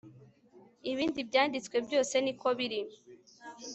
ibindi byanditswe byose niko biri